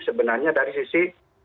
sebenarnya dari sisi